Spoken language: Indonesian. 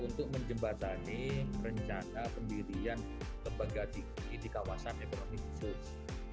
untuk menjembatani rencana pendirian lembaga tinggi di kawasan ekonomi khusus